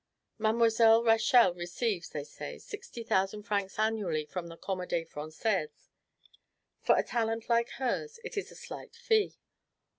Mademoiselle Rachel receives, they say, sixty thousand francs annually from the Comedie Francaise. For a talent like hers, it is a slight fee.